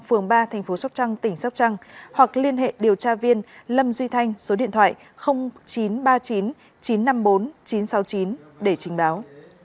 phường ba thành phố sóc trăng tỉnh sóc trăng hoặc liên hệ điều tra viên lâm duy thanh số điện thoại chín trăm ba mươi chín chín trăm năm mươi bốn chín trăm sáu mươi chín để trình báo